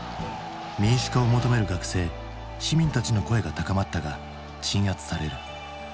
民主化を求める学生市民たちの声が高まったが鎮圧される。